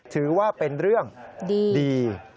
ถือว่าเป็นเรื่องดี